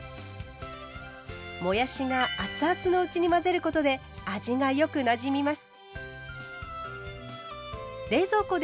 もやしが熱々のうちに混ぜることで味がよくなじみます。